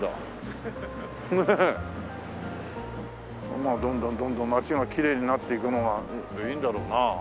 まあどんどんどんどん街がきれいになっていくのがいいんだろうな。